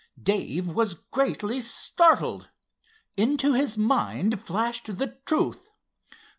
Dave was greatly startled. Into his mind flashed the truth.